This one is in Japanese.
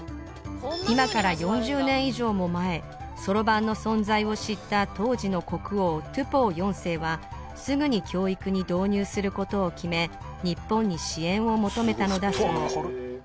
今から４０年以上も前そろばんの存在を知った当時の国王トゥポウ４世はすぐに教育に導入することを決め日本に支援を求めたのだそう